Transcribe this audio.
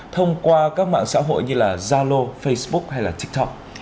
thông qua các mạng xã hội như zalo facebook hay là tiktok